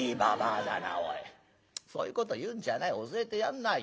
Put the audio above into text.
そういうこと言うんじゃない教えてやんなよ。